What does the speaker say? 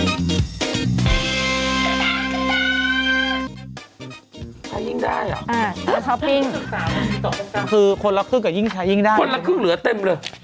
ใช้ยิ่งได้เหรอคือคนละครึ่งก็ยิ่งใช้ยิ่งได้คนละครึ่งเหลือเต็มหรือ